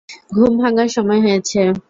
ঘুম ভাঙ্গার সময় হয়েছে।